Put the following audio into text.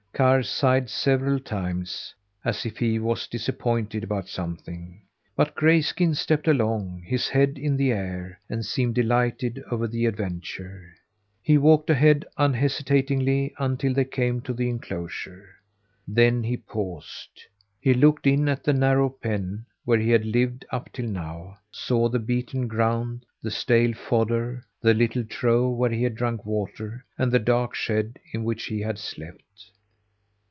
Karr sighed several times, as if he was disappointed about something; but Grayskin stepped along his head in the air and seemed delighted over the adventure. He walked ahead unhesitatingly until they came to the enclosure. There he paused. He looked in at the narrow pen where he had lived up till now; saw the beaten ground, the stale fodder, the little trough where he had drunk water, and the dark shed in which he had slept.